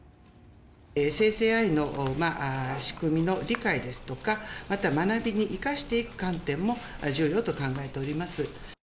生成ＡＩの仕組みの理解ですとかまた学びに生かしていく観点も重要と考えております。